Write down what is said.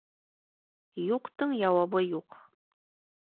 Юҡтың яуабы юҡ.